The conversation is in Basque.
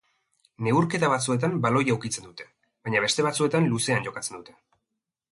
Neurketa batzuetan baloia ukitzen dute, baina beste batzuetan luzean jokatzen dute.